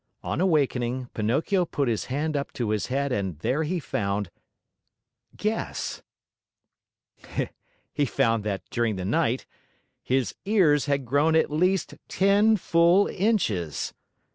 On awakening, Pinocchio put his hand up to his head and there he found Guess! He found that, during the night, his ears had grown at least ten full inches!